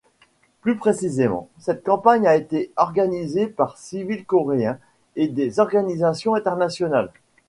Plus précisément, cette campagne a été organisée par civils coréens et des organisations internationales.